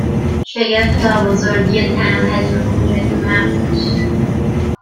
شگفتا بزرگی تن و حجم کوچک مغزش